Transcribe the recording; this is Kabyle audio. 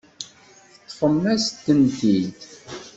Teṭṭfem-as-tent-id.